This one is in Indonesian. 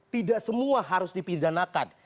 tidak semua harus dipidanakan